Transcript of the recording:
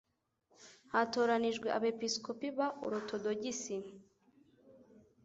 hatoranijwe abepiskopi ba orotodogisi